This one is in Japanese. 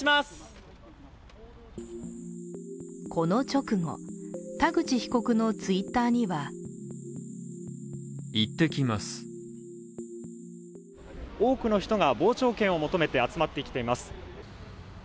この直後、田口被告のＴｗｉｔｔｅｒには多くの人が、傍聴券を求めて集まってきています。